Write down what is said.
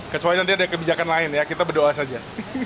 kecuali nanti ada kebijakan lain ya kita berdoa saja